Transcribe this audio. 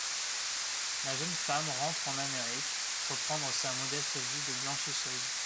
La jeune femme rentre en Amérique reprendre sa modeste vie de blanchisseuse.